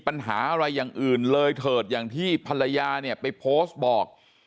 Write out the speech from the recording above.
ปัญหาอะไรอย่างอื่นเลยเถิดอย่างที่ภรรยาเนี่ยไปโพสต์บอก